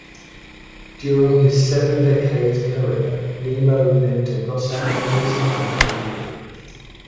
During his seven decade career, Nemo lived in Los Angeles and New York.